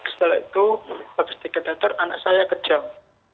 setelah itu habis dikatheter anak saya kejang